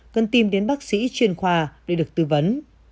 cần tìm đến bác sĩ chuyên khoa để được tư vấn